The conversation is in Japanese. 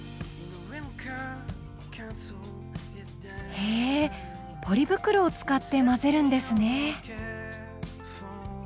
へえポリ袋を使って混ぜるんですね。